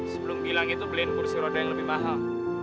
sebelum bilang itu beliin kursi roda yang lebih mahal